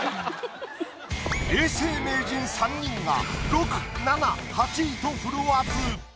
永世名人３人が６・７・８位と振るわず。